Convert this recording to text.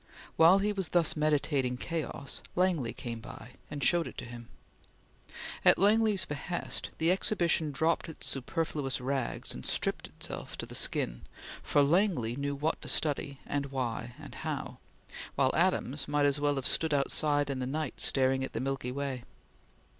While he was thus meditating chaos, Langley came by, and showed it to him. At Langley's behest, the Exhibition dropped its superfluous rags and stripped itself to the skin, for Langley knew what to study, and why, and how; while Adams might as well have stood outside in the night, staring at the Milky Way.